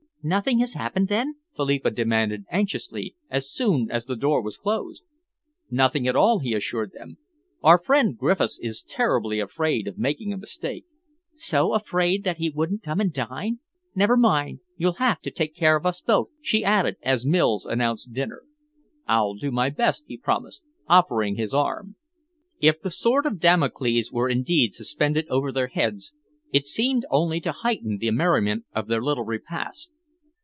"Nothing has happened, then?" Philippa demanded anxiously, as soon as the door was closed. "Nothing at all," he assured them. "Our friend Griffiths is terribly afraid of making a mistake." "So afraid that he wouldn't come and dine. Never mind, you'll have to take care of us both," she added, as Mills announced dinner. "I'll do my best," he promised, offering his arm. If the sword of Damocles were indeed suspended over their heads, it seemed only to heighten the merriment of their little repast.